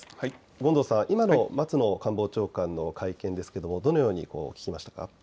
権藤さん、今の松野官房長官の会見ですがどのように聞きましたか。